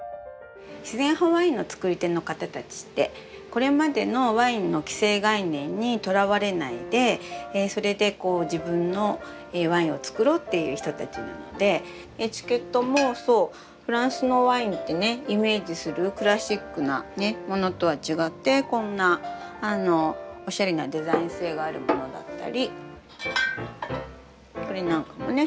これまでのワインの既成概念にとらわれないでそれでこう自分のワインをつくろうっていう人たちなのでエチケットもそうフランスのワインってねイメージするクラシックなねものとは違ってこんなおしゃれなデザイン性があるものだったりこれなんかもね